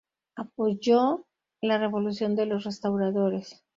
Apoyó la Revolución de los Restauradores.